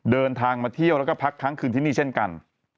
เดินทางมาเที่ยวแล้วก็พักค้างคืนที่นี่เช่นกัน